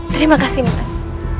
terima kasih nimas